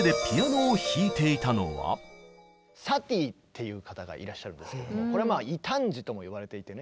サティーっていう方がいらっしゃるんですけどもこれはまあ異端児ともいわれていてね。